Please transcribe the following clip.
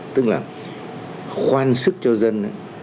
tức là khoan sức cho dân